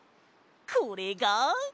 これが！